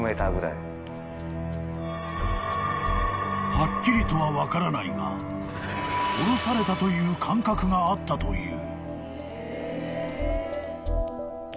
［はっきりとは分からないが降ろされたという感覚があったという］